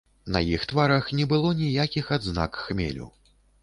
На іх тварах не было ніякіх адзнак хмелю.